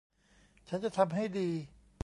ฉันจะทำให้ดี